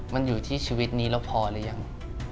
มันอยู่ที่ชีวิตนี้เราพอหรือยัง